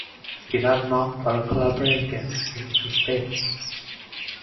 He was known for collaborating in his papers.